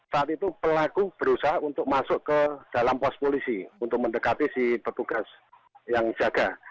saat itu pelaku berusaha untuk masuk ke dalam pos polisi untuk mendekati si petugas yang jaga